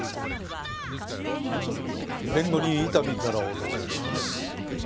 弁護人伊丹からお尋ねします。